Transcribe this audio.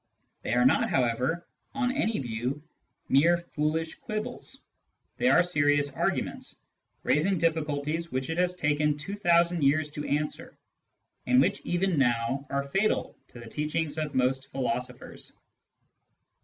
They are not, how ever, on any view, mere foolish quibbles : they are serious arguments, raising difficulties which it has taken two thousand years to answer, and which even now are fatal to the teachings of most philosophers.